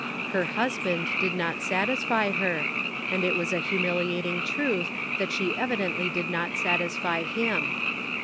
Her husband did not satisfy her, and it was a humiliating truth that she evi dently did not satisfy him.